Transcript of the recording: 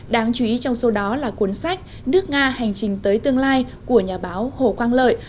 đáng chú ý trong số đó là cuốn sách nước nga hành trình tới tương lai của nhà báo hồ quang lợi